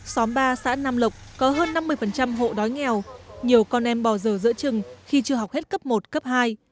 xóm ba xã nam lộc có hơn năm mươi hộ đói nghèo nhiều con em bỏ giờ giữa trừng khi chưa học hết cấp một cấp hai